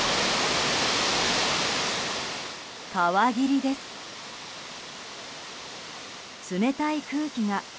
川霧です。